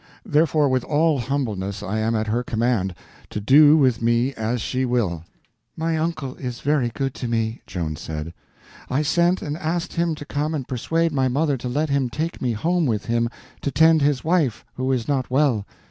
Therefore with all humbleness I am at her command, to do with me as she will." "My uncle is very good to me," Joan said. "I sent and asked him to come and persuade my mother to let him take me home with him to tend his wife, who is not well.